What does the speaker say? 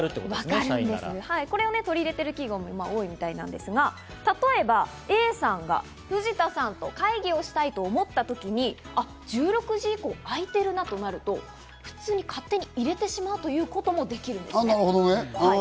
これを取り入れてる企業も多いみたいなんですが、例えば、Ａさんが藤田さんと会議をしたいと思った時に１６時以降、空いてるなとなると普通に勝手に入れてしまうということもできるんです。